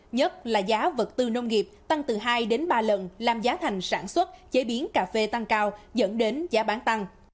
nhất là giá vật tư nông nghiệp tăng từ hai đến ba lần làm giá thành sản xuất chế biến cà phê tăng cao dẫn đến giá bán tăng